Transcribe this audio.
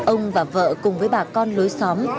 ông và vợ cùng với bà con lối xóm